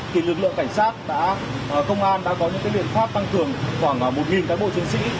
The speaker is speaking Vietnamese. thì lực lượng cảnh sát công an đã có những biện pháp tăng cường khoảng một cán bộ chiến sĩ